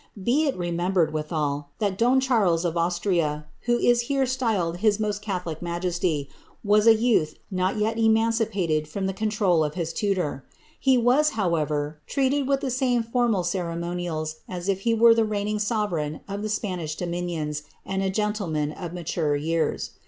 Be it l^ niembered, withal, that don Charles of Austria, who is here styled Iw most catholic majesty, was a youth not yet emancipated from the cos* trol of his tutor. He was, however, treated with the same fonnal co^ monials as if he were tlie reigning sovereign of the Spanish doroiniooi and a gentleman of mature years.